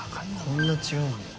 こんな違うんだ。